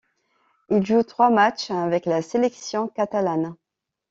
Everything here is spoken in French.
Il joue trois matches avec la sélection catalane.